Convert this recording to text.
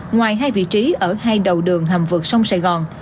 ngoài hai vị trí ở hai đầu đường hầm vượt sông sài gòn